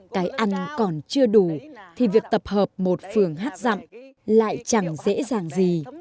cái ăn còn chưa đủ thì việc tập hợp một phường hát dặm lại chẳng dễ dàng gì